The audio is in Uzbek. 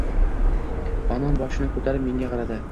Onam boshini ko‘tarib menga qaradi.